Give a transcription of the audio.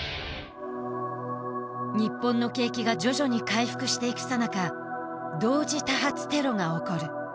日本の景気が徐々に回復してゆくさなか同時多発テロが起こる。